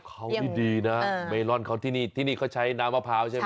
เขาไม่ดีนะเมลอนเขาที่นี่ที่นี่เขาใช้น้ำมะพร้าวใช่ไหม